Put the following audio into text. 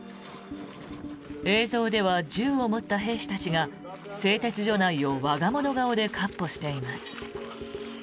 映像では銃を持った兵士たちが製鉄所内を我が物顔でかっ歩しています。